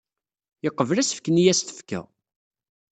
Yeqbel asefk-nni ay as-tefka.